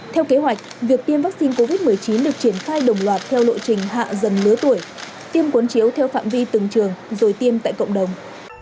theo kế hoạch việc tiêm vaccine covid một mươi chín được triển khai đồng loạt theo lộ trình hạ dần lứa tuổi tiêm cuốn chiếu theo phạm vi từng trường rồi tiêm tại cộng đồng